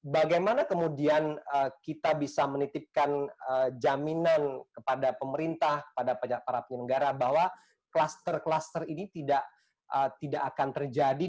bagaimana kemudian kita bisa menitipkan jaminan kepada pemerintah kepada para penyelenggara bahwa kluster kluster ini tidak akan terjadi